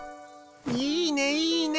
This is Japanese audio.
いいねいいね。